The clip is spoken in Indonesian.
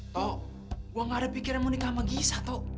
toh gue gak ada pikiran mau nikah sama gisah tok